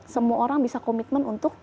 semua orang bisa komitmen untuk